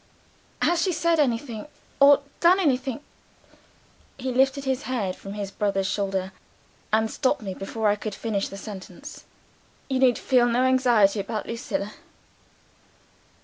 "Has she said anything or done anything ?" He lifted his head from his brother's shoulder, and stopped me before I could finish the sentence. "You need feel no anxiety about Lucilla.